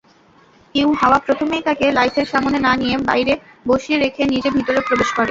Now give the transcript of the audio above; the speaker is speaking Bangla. ইউহাওয়া প্রথমেই তাকে লাঈছের সামনে না নিয়ে বাইরে বসিয়ে রেখে নিজে ভিতরে প্রবেশ করে।